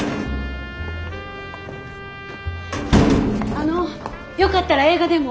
あのよかったら映画でも。